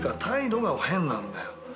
態度が変なんだよ。